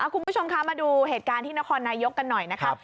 คุณผู้ชมคะมาดูเหตุการณ์ที่นครนายกกันหน่อยนะครับ